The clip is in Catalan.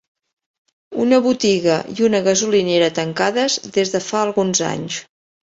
Una botiga i una gasolinera tancades des de fa alguns anys.